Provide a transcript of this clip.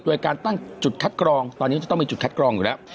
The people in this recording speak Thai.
โดยการตั้งจุดคัดกรองตอนนี้มันจะต้องมีจุดคัดกรองอยู่แล้ว